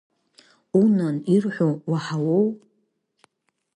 Унан, ирҳәо уаҳауоу?!